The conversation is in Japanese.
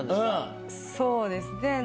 そうですね。